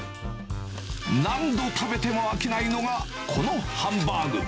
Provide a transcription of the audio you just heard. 何度食べても飽きないのが、このハンバーグ。